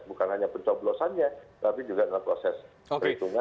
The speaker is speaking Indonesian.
bukan hanya pencoblosannya tapi juga dalam proses perhitungan